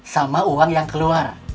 sama uang yang keluar